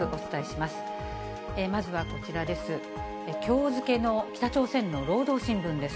まずはこちらです。